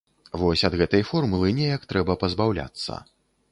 Вось ад гэтай формулы неяк трэба пазбаўляцца.